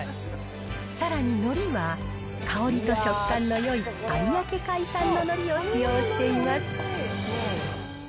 さらにのりは、香りと食感のよい有明海産ののりを使用しています。